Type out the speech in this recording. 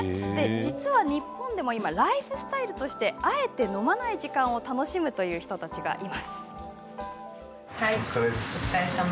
実は日本でもライフスタイルとしてあえて飲まない時間を楽しむという人たちがいます。